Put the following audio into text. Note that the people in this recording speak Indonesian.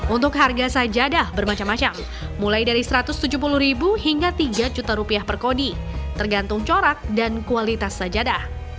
untuk harga sajadah bermacam macam mulai dari rp satu ratus tujuh puluh ribu hingga tiga juta rupiah per kodi tergantung corak dan kualitas sajadah